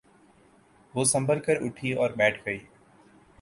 وہ سنبھل کر اٹھی اور بیٹھ گئی۔